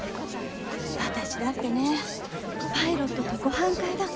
私だってねパイロットとご飯会だ